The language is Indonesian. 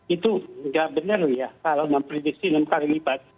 itu tidak benar ya kalau memperiksi enam kali lipat